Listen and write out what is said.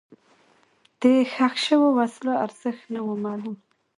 د ښخ شوو وسلو ارزښت نه و معلوم.